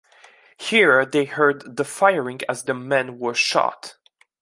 Here, they heard the firing as their men were shot.